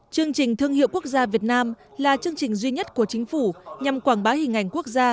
chương trình thương hiệu quốc gia việt nam là chương trình duy nhất của chính phủ nhằm quảng bá hình ảnh quốc gia